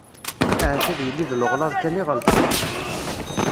Ahat ad yili d leɣlaḍ kan i ɣelṭen.